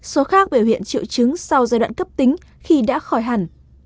số khác biểu hiện triệu chứng sau giai đoạn cấp tính khi đã khỏi hẳn